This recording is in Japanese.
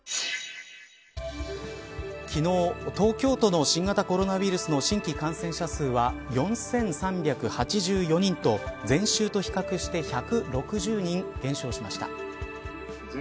昨日、東京都の新型コロナウイルスの新規感染者数は４３８４人と前週と比較して１６０人減少しました。